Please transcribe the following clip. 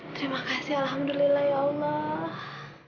terima kasih alhamdulillah ya allah